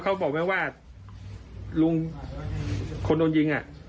เขาบอกไหมว่าลุงคนโดนยิงอ่ะ